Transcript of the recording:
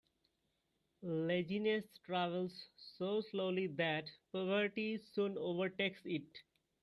Laziness travels so slowly that poverty soon overtakes it.